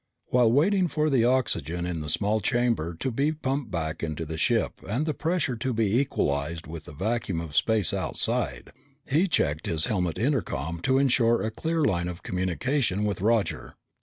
While waiting for the oxygen in the small chamber to be pumped back into the ship and the pressure to be equalized with the vacuum of space outside, he checked his helmet intercom to insure a clear line of communication with Roger.